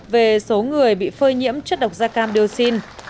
về số người bị phơi nhiễm chất độc gia cam diosin